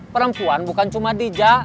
perempuan bukan cuma dija